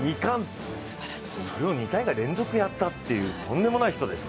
それを２大会連続でやったというとんでもない人です。